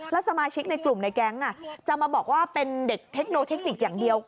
แล้วสมาชิกในกลุ่มในแก๊งจะมาบอกว่าเป็นเด็กเทคโนเทคนิคอย่างเดียว